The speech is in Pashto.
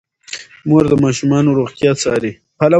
مور د ماشومانو روغتیا څاري.